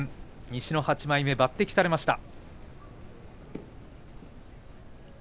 西の８枚目、抜てきされました。